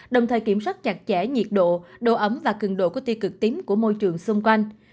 đồng thời kiểm soát chặt chẽ nhiệt độ độ ẩm và cường độ của tiê cực tím của môi trường xung quanh